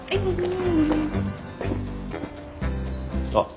あっ。